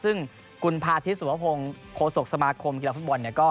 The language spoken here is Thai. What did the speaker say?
ซึ่งกุณภาษฎิสุพพงศ์โฆษกสมาคมกีฬาภาคบอล